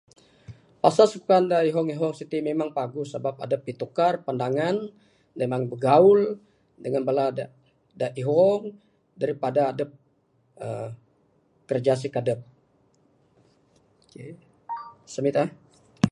Pasal sukan da ihong ihong ti memang paguh sabab adep bitukar pandangan memang bergaul dangan bala da ihong daripada adep uhh kiraja sikadep. Okay, submit uhh